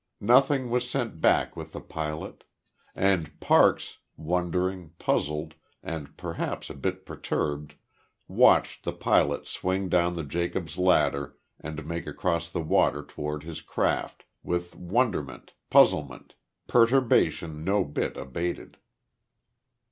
Nothing was sent back with the pilot. And Parks, wondering, puzzled and, perhaps, a bit perturbed watched the pilot swing down the Jacob's ladder, and make across the water toward his craft, with wonderment, puzzlement, perturbation no bit abated.